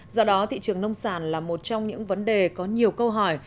do đó thị trường nông sản là một trong những vấn đề có nhiều câu hỏi